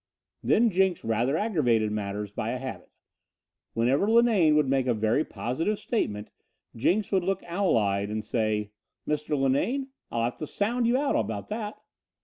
Then Jenks rather aggravated matters by a habit. Whenever Linane would make a very positive statement Jenks would look owl eyed and say: "Mr. Linane, I'll have to sound you out about that."